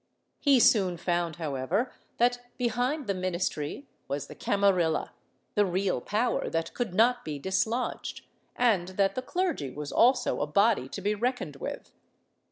He soon found, how ever, that behind the ministry was the camarilla — the real power that could not be dislodged — and that the clergy was also a body to be reckoned with.